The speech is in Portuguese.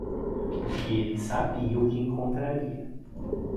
porque ele sabia o que encontraria.